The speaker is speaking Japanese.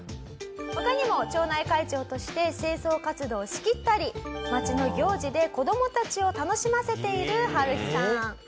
他にも町内会長として清掃活動を仕切ったり町の行事で子供たちを楽しませているハルヒさん。